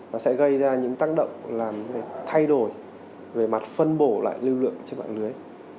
nó sẽ gây ra những tác động làm việc thay đổi về mặt phân bổ lại lưu lượng trên mạng lưới